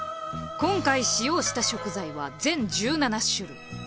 今回使用した食材は全１７種類。